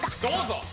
どうぞ！